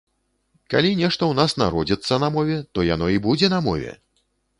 Калі нешта ў нас народзіцца на мове, то яно і будзе на мове!